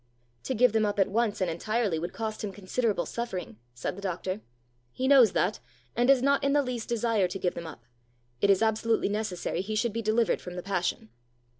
"To give them up at once and entirely would cost him considerable suffering," said the doctor. "He knows that, and does not in the least desire to give them up. It is absolutely necessary he should be delivered from the passion."